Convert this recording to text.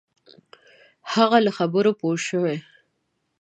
هغه له خبرو پوه شوی.